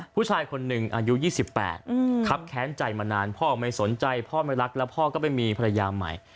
ผู้ชายคนหนึ่งอายุ๒๘ครับแค้นใจมานานพ่อไม่สนใจพ่อไม่รักแล้วพ่อก็ไปมีภรรยาใหม่